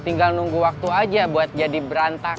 tinggal nunggu waktu aja buat jadi berantak